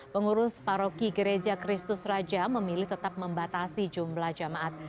pengurus paroki gereja kristus raja memilih tetap membatasi jumlah jemaat